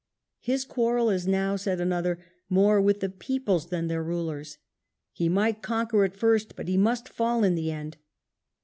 His quarrel is now, said another, " more with the peoples than their rulers "; he might conquer at first, but he must fall in the end.